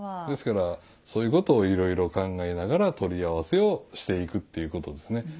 ですからそういうことをいろいろ考えながら取り合わせをしていくっていうことですね。